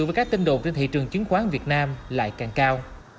với các tin đồn trên thị trường chứng khoán việt nam lại càng cao